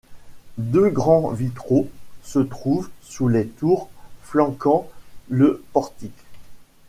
Deux grands vitraux se trouvent sous les tours flanquant le portique.